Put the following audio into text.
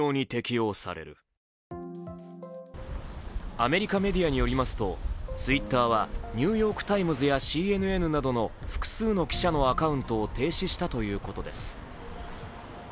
アメリカメディアによりますと、Ｔｗｉｔｔｅｒは「ニューヨーク・タイムズ」やＣＮＮなどの複数の記者のアカウントを停止したということです。